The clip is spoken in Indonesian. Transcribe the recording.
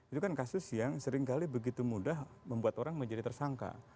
itu kan kasus yang seringkali begitu mudah membuat orang menjadi tersangka